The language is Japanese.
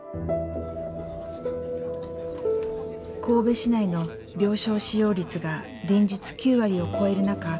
神戸市内の病床使用率が連日９割を超える中